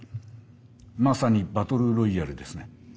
まさにバトルロイヤルですね。